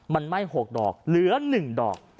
มันไหม้๖ดอกเหลือ๑ดอก